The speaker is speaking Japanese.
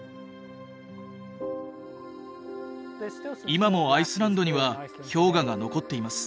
今もアイスランドには氷河が残っています。